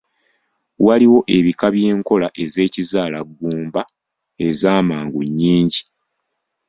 Waliwo ebika by'Enkola z'ekizaalaggumba ez'amangu nyingi.